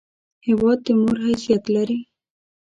هېواد د مور حیثیت لري!